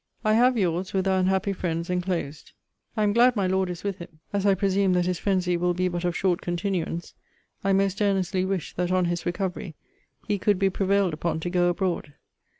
I have your's, with our unhappy friend's enclosed. I am glad my Lord is with him. As I presume that his phrensy will be but of short continuance, I most earnestly wish, that on his recovery he could be prevailed upon to go abroad.